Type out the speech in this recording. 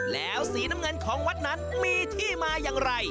แล้วสีน้ำเงินของวัดนั้นมีที่มาอย่างไร